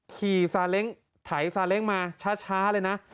ขี่สาเล็งถ่ายสาเล็งมาช้าเลยนะ